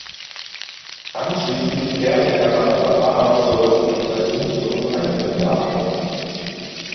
Anschließend kehrte er nach Alabama zurück und ersuchte um eine Begnadigung.